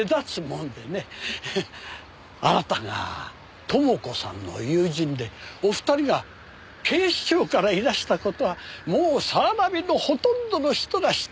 あなたが朋子さんの友人でお二人が警視庁からいらした事はもう早蕨のほとんどの人が知っていますよ。